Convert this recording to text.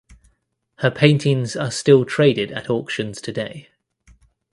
Her paintings are still traded at auctions today.